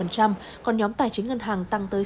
còn nhóm tài chính ngân hàng tăng tới sáu mươi